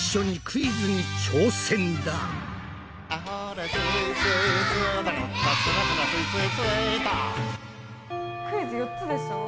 クイズ４つでしょ？